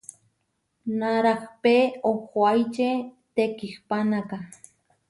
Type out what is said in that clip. Narahpé ohuáiče tekihpanáka.